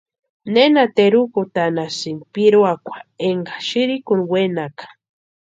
¿Nena terukutanhasïni piruakwa enka sïrïkuni wenaka?